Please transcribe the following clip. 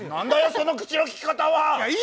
その口のきき方は。